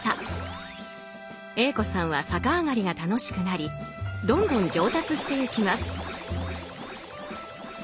Ａ子さんは逆上がりが楽しくなりどんどん上達してゆきます。